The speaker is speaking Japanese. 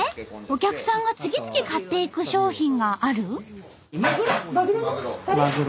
お客さんが次々買っていく商品がある？